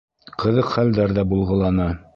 Ҡыҙыҡ хәлдәр ҙә булғыланы.